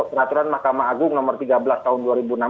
peraturan mahkamah agung nomor tiga belas tahun dua ribu enam belas